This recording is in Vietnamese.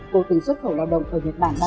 cô từng xuất khẩu lao động ở nhật bản ba năm